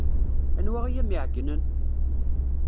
Anwa ay am-iɛeyynen?